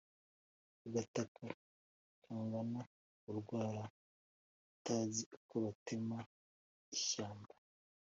agataka kangana urwara atazi uko batema ishyamba.